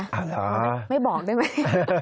อ๋อนะไม่บอกได้ไหม